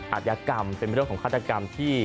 อัตยากรรมเป็นบริษัทของฆาตกรรมที่